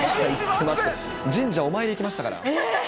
神社、お参り行きましたから。